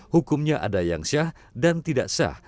hukumnya ada yang syah dan tidak sah